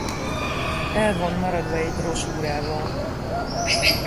El van maradva egy brosúrával.